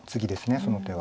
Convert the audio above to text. その手は。